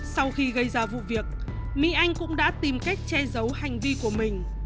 sau khi gây ra vụ việc mỹ anh cũng đã tìm cách che giấu hành vi của mình